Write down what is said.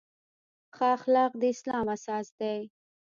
ښه اخلاق د اسلام اساس دی.